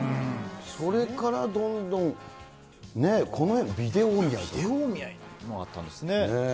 それからどんどんね、このビこんなのがあったんですね。